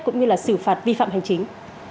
cũng như là xử phạt vi phạm hành chính